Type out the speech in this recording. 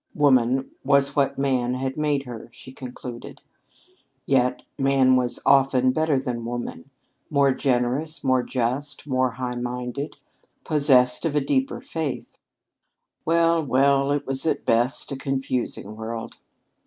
Woman was what man had made her, she concluded. Yet man was often better than woman more generous, more just, more high minded, possessed of a deeper faith. Well, well, it was at best a confusing world!